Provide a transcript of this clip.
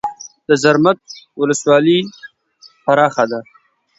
د زرمت ولسوالۍ پراخه ده